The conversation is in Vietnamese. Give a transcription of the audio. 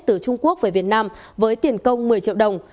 từ trung quốc về việt nam với tiền công một mươi triệu đồng